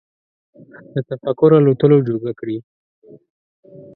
د تفکر الوتلو جوګه کړي